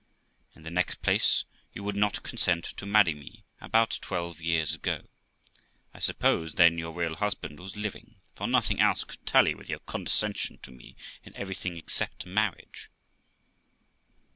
In the next place, you would not consent to marry me about twelve years ago; I suppose then your real husband was living, for nothing else could tally with your condescension to me in everything except marriage.